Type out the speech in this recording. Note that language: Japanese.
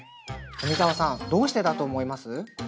富澤さんどうしてだと思います？